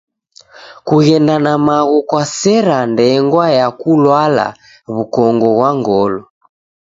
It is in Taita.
Kughenda na maghu kwasera ndengwa ya kulwala w'ukongo ghwa ngolo.